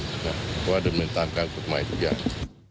เพราะว่าดำเนินตามการกฎหมายทุกอย่าง